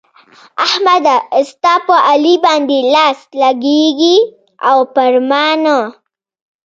احمده! ستا په علي باندې لاس لګېږي او پر ما نه.